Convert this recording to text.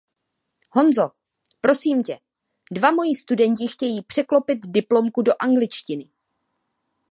Honzo, prosím tě, dva moji studenti chtějí překlopit diplomku do angličtiny.